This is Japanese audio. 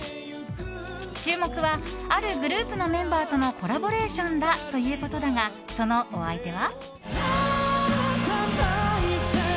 注目はあるグループのメンバーとのコラボレーションだということだが、そのお相手は。